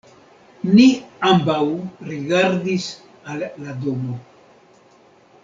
Ni ambaŭ rigardis al la domo.